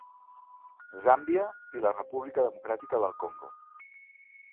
Zàmbia i la República Democràtica del Congo.